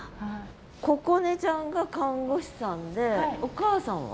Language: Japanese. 心音ちゃんが看護師さんでお母さんは？